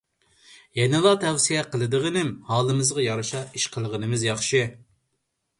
يەنىلا تەۋسىيە قىلىدىغىنىم، ھالىمىزغا يارىشا ئىش قىلغىنىمىز ياخشى.